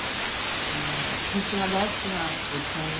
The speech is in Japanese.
「ケツが大好きなおじさんです」